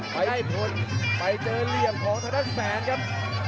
ไปเจอเหลี่ยมของธนัดแสงครับ